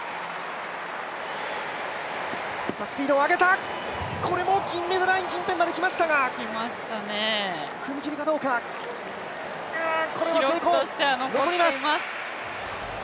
またスピードを上げた、これも銀メダルライン近辺まで来ましたが、踏み切りがどうか、これは成功、残ります。